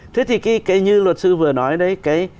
thế thì cái như luật sư vừa nói đấy